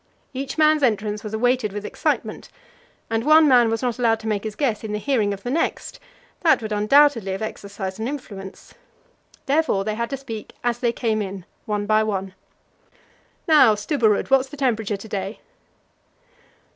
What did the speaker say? Each man's entrance was awaited with excitement, and one man was not allowed to make his guess in the hearing of the next that would undoubtedly have exercised an influence. Therefore they had to speak as they came in, one by one. "Now, Stubberud, what's the temperature to day?"